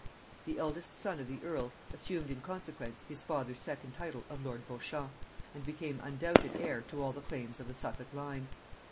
The eldest son of the earl assumed in consequence his father's second title of lord Beauchamp, and became undoubted heir to all the claims of the Suffolk line.